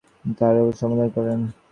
রাজকন্যা তাঁহার আর কোন সন্ধান পাইলেন না।